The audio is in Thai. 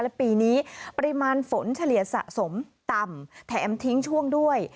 และปีนี้ปริมาณฝนเฉลี่ยสะสมต่ำแถมทิ้งช่วงด้วย